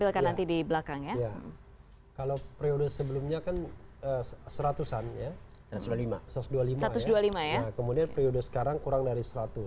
kemudian periode sekarang kurang dari seratus